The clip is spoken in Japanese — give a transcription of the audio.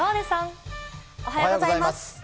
おはようございます。